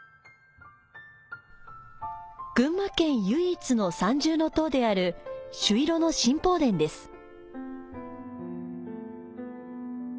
群馬県唯一の三重塔である朱色の神宝殿です。